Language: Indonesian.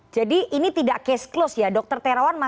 jadi ini tidak case close ya dr terawan